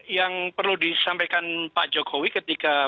yang perlu disampaikan pak jokowi ketika